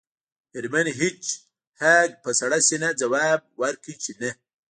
میرمن هیج هاګ په سړه سینه ځواب ورکړ چې نه